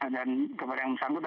dan kepada yang sanggup